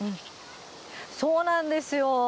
そうなんですよ。